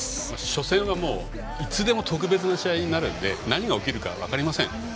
初戦はいつでも特別な試合になるので何が起きるか分かりません。